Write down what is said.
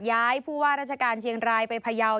ย้ายผู้ว่าราชการเชียงรายไปพยาว